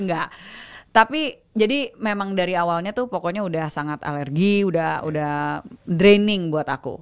enggak tapi jadi memang dari awalnya tuh pokoknya udah sangat alergi udah draining buat aku